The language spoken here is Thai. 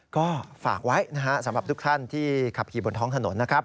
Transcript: ก็ฝากไว้นะฮะสำหรับทุกท่านที่ขับขี่บนท้องถนนนะครับ